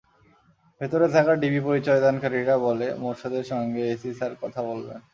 ভেতরে থাকা ডিবি পরিচয়দানকারীরা বলে, মোরশেদের সঙ্গে এসি স্যার কথা বলবেন।